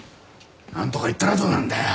なんとか言ったらどうなんだよ！